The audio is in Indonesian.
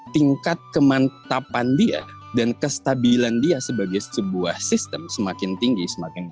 tingkat kemantapan dia dan kestabilan dia sebagai sebuah sistem semakin tinggi semakin tinggi